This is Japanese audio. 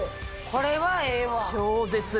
これはええわ。